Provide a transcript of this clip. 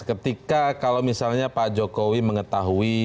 ketika kalau misalnya pak jokowi mengetahui